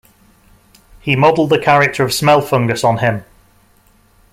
He modeled the character of Smelfungus on him.